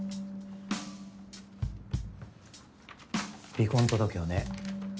離婚届をね。